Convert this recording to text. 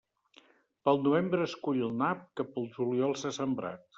Pel novembre es cull el nap que pel juliol s'ha sembrat.